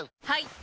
はい！